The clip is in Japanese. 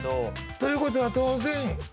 ということは当然今回は。